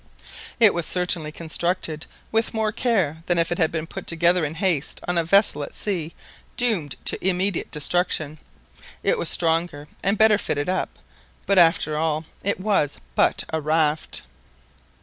It was certainly constructed with more care than if it had been put together in haste on a vessel at sea doomed to immediate destruction. It was stronger and better fitted up; but, after all, it was but a raft.